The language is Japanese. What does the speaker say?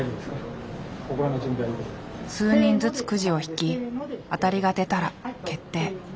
数人ずつくじを引き当たりが出たら決定。